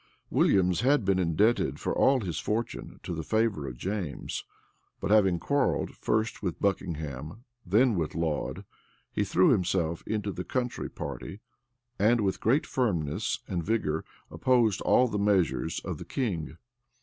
Williams had been indebted for all his fortune to the favor of James; but having quarrelled, first with Buckingham, then with Laud, he threw himself into the country party; and with great firmness and vigor opposed all the measures of the king.